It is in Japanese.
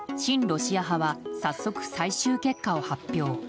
ロシア派は早速、最終結果を発表。